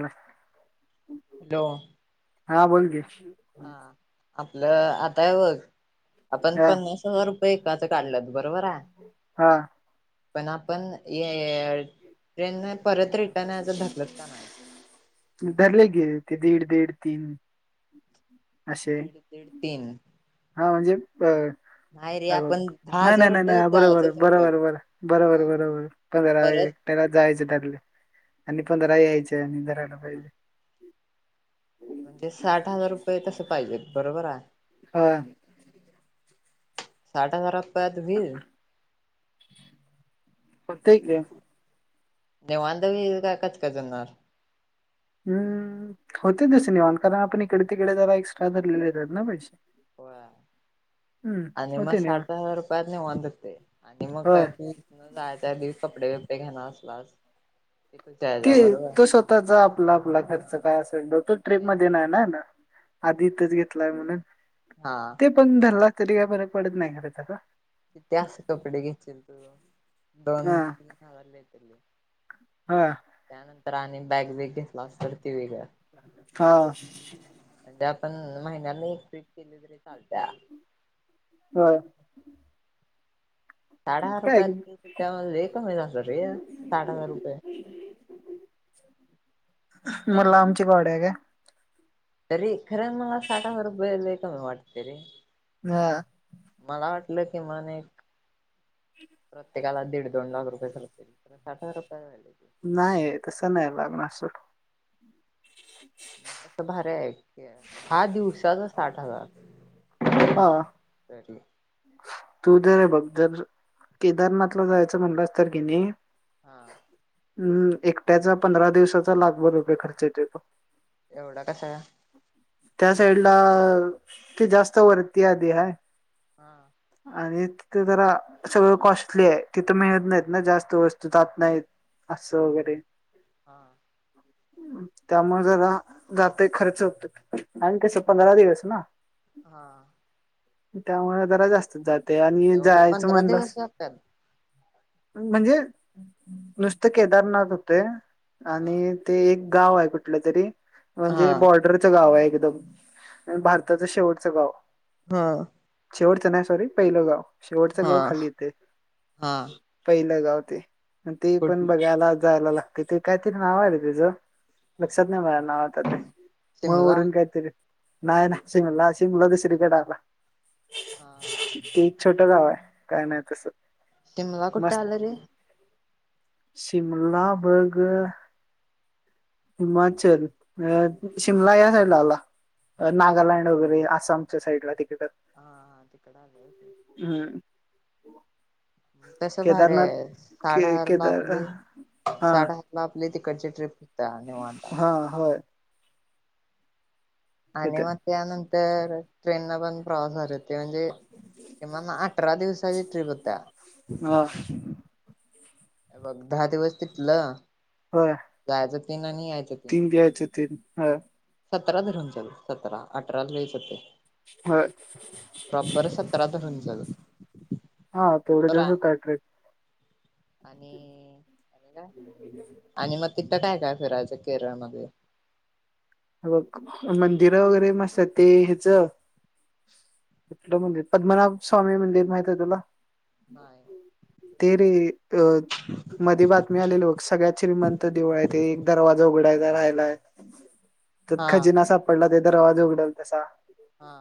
ह आडो हा बोल की हा आपलं आता आहे वघ आपण हा पन्नास ह रुपये काढलं बरोबर आहे हा पण आपण ये नाही. धरले की दीड दीड तीन असे दीड दीड तीन हा म्हणजे अ नाही रे आपण दहा नाही हजार नाही नाही रुपये नाही बरोबर जायचं धरलं बरोबर बर हा. बरोबर बरोबर मग पंधरा एक परत टना न्हायचे त्यातले आणि पंधरा यायचे आणि जाय जायला पाहिजे. म्हणजे साठ हजार रुपये तस पाहिजे. बरोबर आहे. हा साठ हजार आपल्यात होईल. होतोय [unintelligible] निवांत होईल काय कचकच होणार हम् होते ते सिनेमान कारण आपण इकडे तिकडे जरा एक्स्ट्रा धरलेलेच ना पैसे हो हम्म आणि मग होते निवांत साठ हजार रुपयात निवांत होतय. आणि मग होय काय जायच्या दिवस कपडे बिपडे घेणार असलास. तिथंच ते यायचा बरोबर तो स्वतःचा आपला आपला खर्च हा काय असेल तो ट्रीप आणि मध्ये नाही ना येणार आधी इथंच घेतलाय म्हणून हा ते पण धरला. तरी काय फरक पडत नाही खर त्याचा किती असे कपडे घेतील तू दोन हा तीन हजार लई तलई हा तर आणि बॅग बीग घेतलास तर ती वेगळ हा सध्या पण महिन्यान एक ट्रीप गेली तरी चालत्या होय साठ हजार काय रुपयात लई कमीत रे साठ हजार रुपये मग नाही नाही लांबची काढूया काय? तरी खरं मला साठ हजार रुपये लई कमी वाटते रे हा लं किमान एक प्रत्येकाला दीड दोन लाख रुपये खर्च होईल पण साठ हजार रुपयेत झाले. की नाही तसं नाही लागणार सोड. मग तसं भारी आहे दहा दिवसाचा साठ हजार. हा तू तर हे बघ दर केदारनाथ ला जायचं म्हणलास, तरर् घनी हा हम् एकट्याचा पंधरा दिवसाचा लागभर रुपये खर्च येत तो एवढा कसा त्या साईड ला त जास्त वरती आधी हाय हा तिथ जरा सगळं कॉस्टली आहे तिथं मिळत नाहीत ना जास्त वस्तू जात नाहीत असं वगैरे हा त्यामुळे जरा जातय खर्च होतो आणि कस पंधरा दिवस ना हा त्यामुळे त ते आणि एवढं जायचं पंधरा दिवस म्हणलंस लागतात म्हणजे नुसत केदारनाथ होते हा आणि ते एक गाव आहे कुठलं तरी हा म्हणजे बॉर्डरचं गाव आहे एकदम भारताचं शेवटचं गाव हा शेवटचं नाही सॉरी पहिलं गाव शेवटचं हा गाव खाली ते हा पहिला गाव ते ते कुठ पण बघायला जायला लागते ते काहीतरी नाव आले तच लक्षात नाही मला नाव आता ते मग शिमला वरून कायतरी नाहीय ना सिंगला सिंगला त श्री कडाला हा हा ते छोटं गाव आहे काय नाही तसं तिमला कुठ मस्त आलं रे शिमला बघ हिमाचल अ शिमला या साईड ला आला नागालँड वगैरे आसामच्या साईडला तिके हा हा ते कढा लते हो तस भारी आहे साड के हार ला केदार आपले हा साड हार ला तिकटची ट्रिप त्या मांतात हा होय आणि होते म आनंतर तर ट्रेनना पण प्रॉस झाले ते म्हणजे कि अठरा दिवस [inaudible] आ! बघ दहा दिवस तिथलं होय जायचं. तीन आणि यायचं तीन प्यायच तीन हा सतरा धरून चालू सतरा अठरालईच होतय ह सतरा धरून चाल हा बरोबर तेवढ्यात आहे होतय ट्रिप आणि काय आणि मग तिथ काय काय फिरायचं केरळमध्ये बघ मंदिर वगैरे मस्त आहेत ह्याचलं मंदिर पद्मनाव स्वामी मंदिर माहित आहे तुला? नाही ते रे अ मध्ये बातमी आलेल सगळ्यात श्रीमंत देवळ आहे ते एक दरवाजा उघडाय राहिलाय त हा खजिना सापडला त्यात दरवाजा उघडल तसा हा.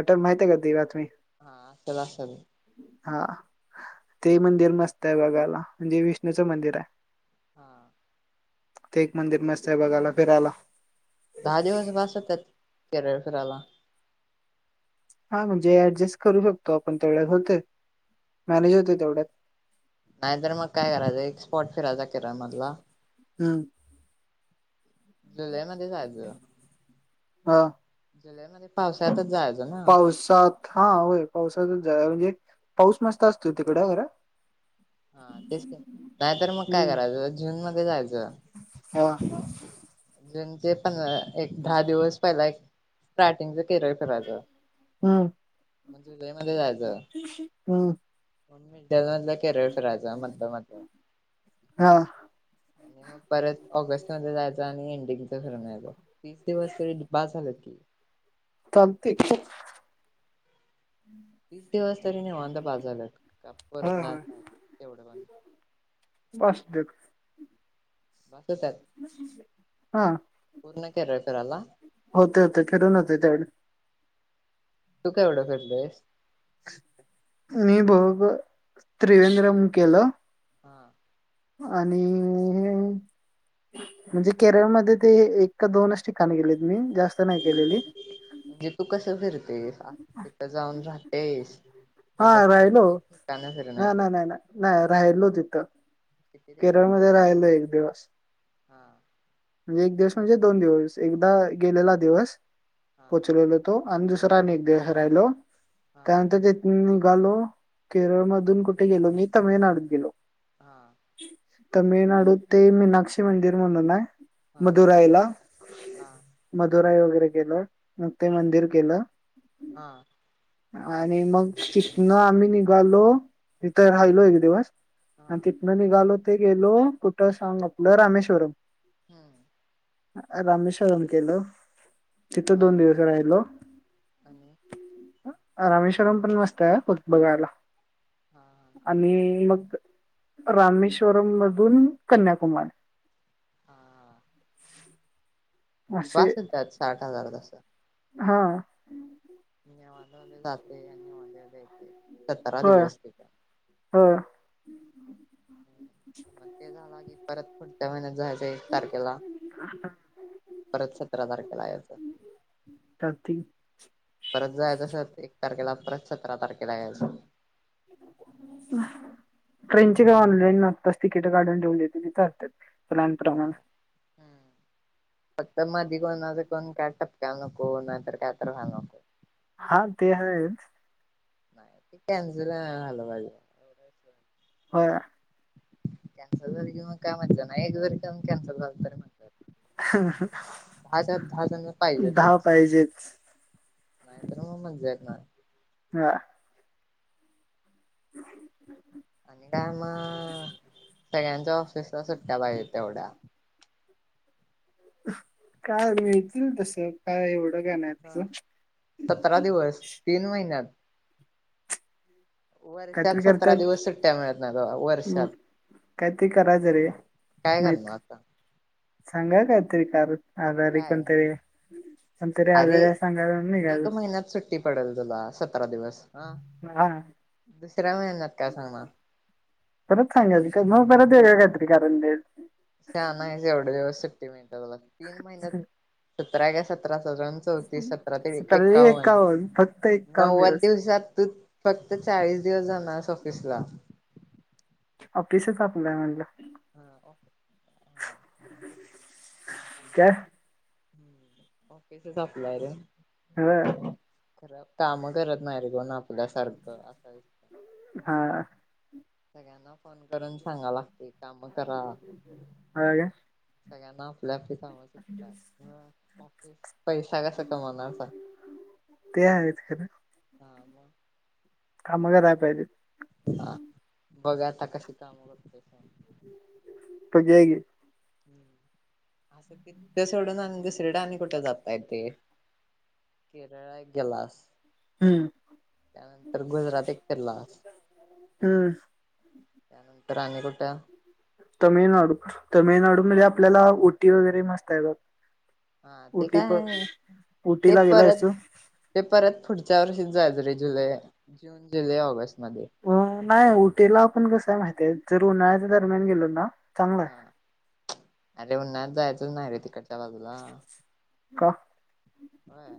आठव माहितय का ती बातमी? हा असल असल! हा ते मंदिर मस्त आहे बघायला म्हणजे विष्णूचं मंदिर आहे. हा. ते एक मंदिर मस्त आहे बघायला फिरायला. दहा दिवस बस होत्यात? केरळ फिरायला! हा म्हणजे ऍडजस्ट करू शकतो आपण तेवढ्यात होतय मॅनेज होते तेवढ्यात. नाहीतर मग काय करायचं एक स्पॉट फिरायचा केराय मधला हम्म. जुलै मध्ये जायचं. हा. जुलै मध्ये पाऊस पावसात हा होय पावसात म्हणजे पाऊस मस्त असतोय तिकड खर. हा तेच की नाहीतर मग काय हम्म करायच जून म ध्ये जायचं होय. ते पन एक दहा दिवस पहिला एक स्टार्टिंगच केरळ फिरायचं हम्म म जुलै मध्ये जायचं. हम. होममेड त्यानंतर केरळ फिरायच मधन मधन हा आणि मग परत ऑगस्ट मध्ये जायच आणि एंड तीस दिवस तरी बास झालं की. चालतंय की. तीस दिवस तरी निवांत बास झालं काय होय परतणार होय नाही तेवढं पण फास्टटॅग बस [unintelligible] क [unintelligible] हा पूर्ण केरळ फिरायला होतय होतय फिरून होतय त्यावेळी. तू काय एवढं फेडलंयस? मी बघ त्रिवेंद्रम केलं. हा. आणि म्हणजे केरळ मध्ये ते एक का दोनच ठिकाण गेलेत मी. जास्त नाही केलेली. तिथ जाऊन राहतेस हा काय राहिलो तिथली फक्त ठिकाण फिरून ना यतोय ना नाही नाही नाही राहिलो तिथं केरळमध्ये राहिलो एक दिवस हा म्हणजे एक दिवस म्हणजे दोन दिवस एकदा गेलेला दिवस हा पोचलेला तो आणि दुसरा आणि एक दिवस राहिलो. हा त्यानंतर तिथंन निघ आलो केरळ मधून कुठे गेलो मी तामिळनाडूत गेलो. हा. तमिळनाडू ते मीनाक्षी मंदिर म्हणून हाय? हा मधुरायला हा मधुरागै लं नक ते मंदिर केलं हा आणि मग तिथनं आम्ही निघालो तिथं राहिलो एक दिवस हम घालो ते गेलो कुठं सांग आपलं रामेश्वरम हम्म रामेश्वरन केलं तिथं हा दोन दिवस राहिलो आणि रामेश्वरम पण मस्त आहे फक्त बघायला हा हा आणि मग रामेश्वरम मधून कन्याकुमारी हा म्हणजे असे बसेल त्यात साठ हजार तस हा अ म अे मध्येेत [inaudible] सतरा होय दिवसचा होय मग ते झालं की परत प - [inaudible] तारखेला परत सतरा तारखेला यायचं चालते परत जायचं अस एक तारखेला परत सतरा तारखेला यायचं ट्रेनची का ऑनलाईनतस तिकिट काढून ठेवन येते ति असतात प्रण प्रमाण कोण कोण काय टपकायला नको नाहीतर काय तर व्हायला नको हा ते हच नाही कनसल हलज हो कॅन्सल झाली कि मग काय म्ह नाही एक जरी का कॅन्सल झालं त मग दहा जण धाव पाहिजेच नाही तरर मग मजयक ना हा आणि काय म सगळ्यांच्या ऑफिसला सुट्ट्या पाहिजे तेवढ्या काय मिळतील तस काय एवढ ह सतरा दिवस तीन महिन्यात वर्षात काहीतरी सतरा करतात दिवस सुट्ट्या मिळत नाही बाबा हम्म, वर्षात काहीतरी करायचं रे काय मी करणार आता सांगा कायतरी कार आजारी काय कोणतरी पण तरी अरे आजारी सांगायला निघाल एक महिन्यात सुट्टी पडल तुला सतरा दिवस हा हा त्र्या महिन्यात काय सांगणार परत सांगायच का मग परत वेगळ कायतरी कारण देल शानायस एवढ दिवस सुट्टी मिळ - [unintelligible] तीन महिन्यात [unintelligible] सतराण चौतीस सतरा ते वी क सकाळी एकावन्न फक्त एकावन्न नव्वद दिवस दिवसातू फक्त चाळीस दिवस जाणास ऑफिस ला ऑफिसच आपलाय म्हणलं हा [unintelligible] [unintelligible] काय ह् ऑफिसच अप्लाय रे ह खरं, काम करत नाही रे कोण आपल्या सारखं असा विषय हा. सगळ्यांना फोन करून सांगा लागतय. [unintelligible] सगळ्यांना. [unintelligible] ऑफिस पैसा कसा कमवणार सांग. ते आहेत खरं हा मग, काम कराय पाहिजेत. [inaudible] बगुया आता कशी काम करतोयस. कधी हाय की. हम्म असं कि ते सोडून आणि दुसरीकड आणि कुठ जाताय. काय ते, केरळला एक गेलास. हम्म त्यानंतर गुजरात एक फिरलास. हम्म त्या नंतर तर आणि कुट, तमिळनाडू, तमिळनाडू ममध्ये आपल्याला उटी वगैरे मस्त आहे बग. हा ते काय, ते उटीला गेलायस परत तू ते परत फुडच्या त्या वर्षीच जायच रे, जुलै जून जुलै ऑगस्ट. मध्ये अ नाय उटीला पण कसाय माहित तेचं जर उन्हाळयाच्या दरम्यान गेलों ना. चांगला आहे हा.. अरे, उन्हाळ्यात जायच चं नाय रे तिकडच. त्या बाजूला. का होय.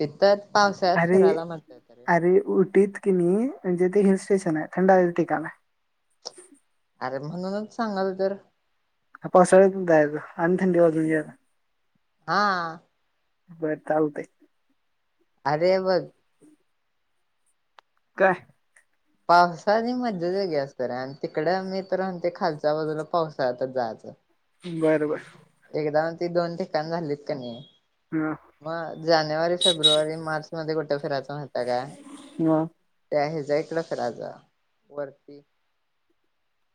तिथंच पावसाळ्यात अरे फिरायला मज्जा येते रे अरे उठीत किनी, म्हणजे, ते हिल स्टेशन आहे थंड हवेचं ठिकाण आहे. अरे म्हणूनच सांगालो तर, हा पावसाळ्यात जायच, आणि थंडी वाजून घ्याला. हा. बर चालतय. अरे बग. काय? पावसाची मज्जाचं वेगळीच असते रे. आणि तिकडे मित्र म्हणतोय खालच्या बाजूला पावसाळ्यात जायचं. बरं बरं. एकदा म्हणतो, दोन ठिकाण झालीत कनी. हा मग जानेवारी फेब्रुवारी मार्च मध्ये कुठं कुठं फिरायचं. म्हाताऱ्या मग त्या हेज जयकलख राजावरती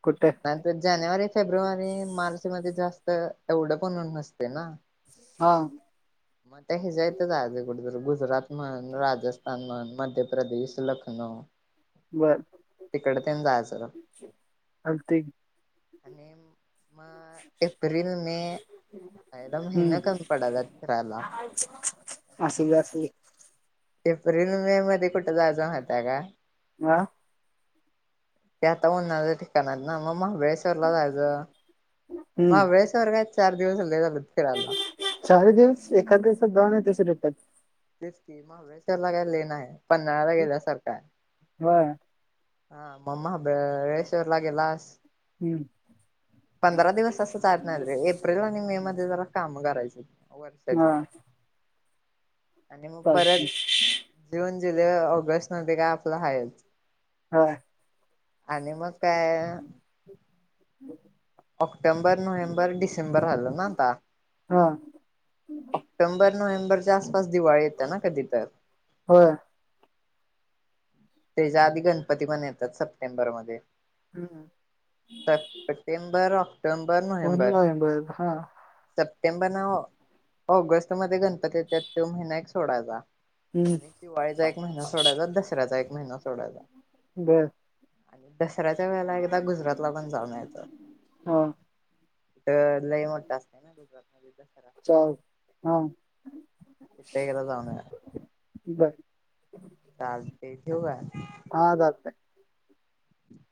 कुठे नाई तर जानेवारीत फेब्रुवारी मार्चमध्ये जास्त एवढं पण ऊन नसतंय ना हा मग त्या ह्या ज्या इथं आज कुठ तर गुजरात म्हण, राजस्थान म्हण मध ध्य प्रदेश, लखनऊ बर तिकड तेन जायचं ग चालतंय की आणि मग एप्रिल मे आईला महिना कमी पडालात असूदे असूदे. एप्रिल मे मध्ये कुठ कुठ जायचं माहित हाय काय? हा ते आता उन्हाळाच ठिकाण आहेत ना म मग वेळेश्वरला जायचं हम्म, महाबळेश्वर काय चार दिवस लय झालेत फिरायला. चार दिवस एखाद दिवसात जाऊन तस टात तेच की महाबळेश्वरला काय लय नाही. पन्हाळ्याला गेल्यासारख हाय होय हा म महाबळेश्वरला गेलास हम्म पंधरा दिवस असं जात नाही रे एप्रिल आणि मे मध्ये जरा काम करायच. [unintelligible] हा वर्षाची आणि मग परत चालतंय लिहून. जुलै, ऑगस्टमध्ये काय आपलं हायच. होय आणि मग काय. हम्म ऑक्टोबर, नोव्हेंबर, डिसेंबर आलं ना? आता. हा ऑक्टोबर, नोव्हेंबरच्या आसपास दिवाळी येत ना कधी तर. होय त्याच्या आधी गणपती पण येतात, सप्टेंबरमध्ये. हम्म सप्टेंबर, ऑ मग नोव्हेंबर हा. September no. ऑगस्टमध्ये गणपती येतात तो महिना एक सोडायचा. हम्म आणि दिवाळीचा एक महिना सोडायचा, दसऱ्याचा एक. महिना सोडायचा. बर आणि दसऱ्याच्या वेळेला एकदा गुजरातला पण जाऊन यायचं हा तिथं लय मोठा [unintelligible] हा. एकदा जाऊन बर. चालते ठेवू काय? हा जात हम्